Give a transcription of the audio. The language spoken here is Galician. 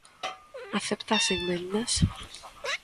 ¿Acepta as emendas?